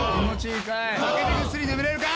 「負けてぐっすり眠れるか？」